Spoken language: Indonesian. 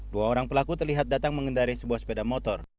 dua orang pelaku terlihat datang mengendari sebuah sepeda motor